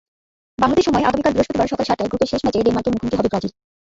বাংলাদেশ সময় আগামীকাল বৃহস্পতিবার সকাল সাতটায় গ্রুপের শেষ ম্যাচে ডেনমার্কের মুখোমুখি হবে ব্রাজিল।